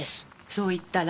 そう言ったら。